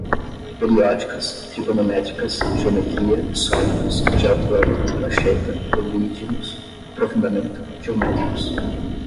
periódicas, trigonométricas, geometria, sólidos, geoplano, prancheta, políginos, aprofundamento, geométricos